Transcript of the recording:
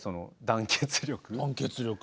団結力。